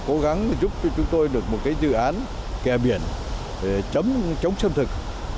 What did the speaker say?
chúng tôi được một cái dự án kè biển chống xâm thực